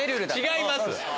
違います。